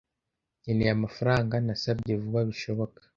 Nkeneye amafaranga nasabye vuba bishoboka.